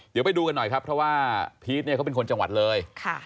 เดี๋ยวไปดูกันหน่อยครับเพราะว่าพีชเนี่ยเขาเป็นคนจังหวัดเลย